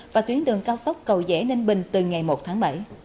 và tuyến đường cao tốc cầu dẽ ninh bình từ ngày một tháng bảy